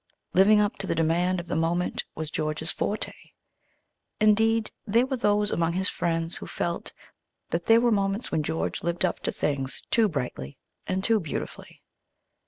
Living up to the demand of the moment was George's forte. Indeed, there were those among his friends who felt that there were moments when George lived up to things too brightly and too beautifully.